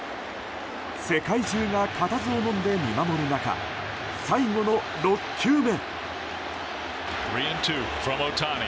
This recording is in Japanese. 世界中が固唾をのんで見守る中最後の６球目。